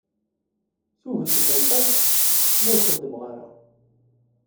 Tuget n lewqat mi ur xeddmeɣ ara.